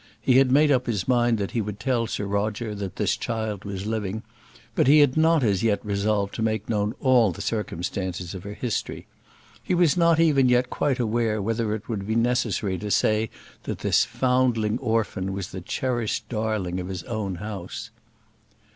He had made up his mind that he would tell Sir Roger that this child was living, but he had not as yet resolved to make known all the circumstances of her history. He was not even yet quite aware whether it would be necessary to say that this foundling orphan was the cherished darling of his own house.